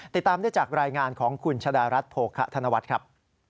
ติดตามได้จากรายงานของคุณชะดารัฐโภคะธนวัฒน์ครับ